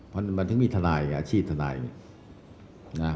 มันจึงมีอาชีพทนาย